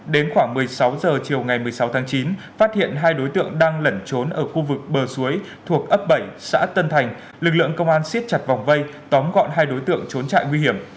đến khoảng một mươi sáu h chiều ngày một mươi sáu tháng chín phát hiện hai đối tượng đang lẩn trốn ở khu vực bờ suối thuộc ấp bảy xã tân thành lực lượng công an xiết chặt vòng vây tóm gọn hai đối tượng trốn trại nguy hiểm